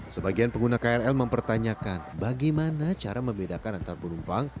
sebagian pengguna krl mempertanyakan bagaimana cara membedakan antar penumpang